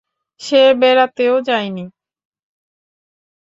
সে বেড়াতেও যায় নি।